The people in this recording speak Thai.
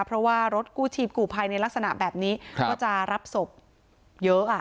เพราะว่ารถกู้ชีพกู้ภัยในลักษณะแบบนี้ก็จะรับศพเยอะอ่ะ